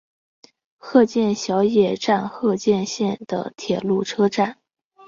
鹤见小野站鹤见线的铁路车站。